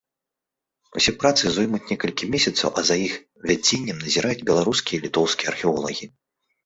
Усе працы зоймуць некалькі месяцаў, а за іх вядзеннем назіраюць беларускія і літоўскія археолагі.